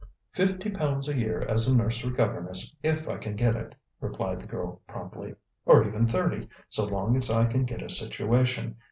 "Fifty pounds a year as a nursery governess if I can get it," replied the girl promptly, "or even thirty, so long as I can get a situation.